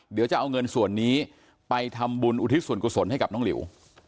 เดี๋ยวจะเอาเงินส่วนนี้ไปทำบุญอุทิศส่วนกุศลให้กับน้องหลิว